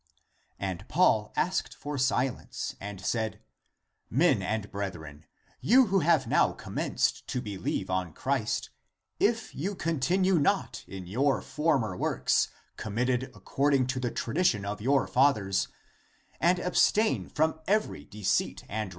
^ And Paul asked for silence, and said :" Men and brethren, you who have now commenced to believe on Christ, if you continue not in your former works committed according to the tradition of your fathers, and abstain from every deceit and wrath, from all s A drastic illustration to I Cor.